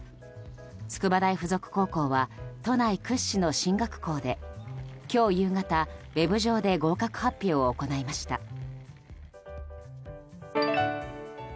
筑波大附属高校は都内屈指の進学校で今日夕方、ウェブ上で合格発表を行いました。